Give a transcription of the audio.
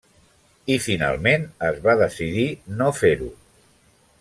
I finalment es va decidir no fer-ho.